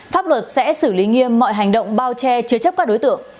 pháp luật sẽ xử lý nghiêm mọi hành động bao che chứa chấp cảnh sát